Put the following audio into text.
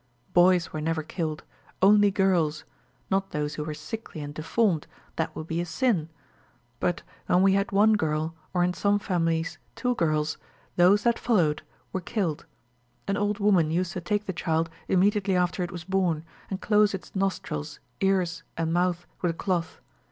Boys were never killed only girls; not those who were sickly and deformed that would be a sin; but, when we had one girl, or in some families two girls, those that followed were killed. An old woman used to take the child immediately after it was born, and close its nostrils, ears, and mouth with a cloth.